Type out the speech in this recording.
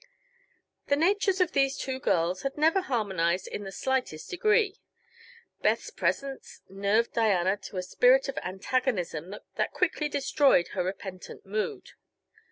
The natures of these two girls had never harmonized in the slightest degree. Beth's presence nerved Diana to a spirit of antagonism that quickly destroyed her repentant mood.